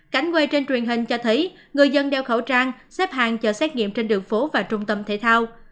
cảnh quay trên truyền hình cho thấy người dân đeo khẩu trang xếp hàng chờ xét nghiệm trên đường phố và trung tâm thể thao